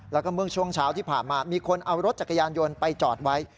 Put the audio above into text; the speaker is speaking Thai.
แล้วก็เมื่อช่วงเช้าที่ผ่านมามีคนเอารถจักรยานยนต์ไปจอดไว้